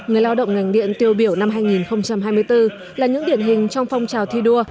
người lao động ngành điện tiêu biểu năm hai nghìn hai mươi bốn là những điển hình trong phong trào thi đua